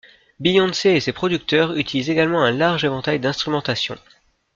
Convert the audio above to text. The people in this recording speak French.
Beyoncé et ses producteurs utilisent également un large éventail d'instrumentations.